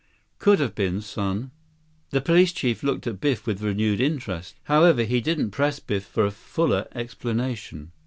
"Could have been, son." The police chief looked at Biff with renewed interest. However, he didn't press Biff for a fuller explanation.